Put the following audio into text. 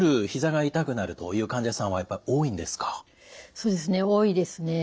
そうですね多いですね。